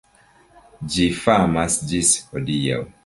Ĝi famas ĝis hodiaŭ.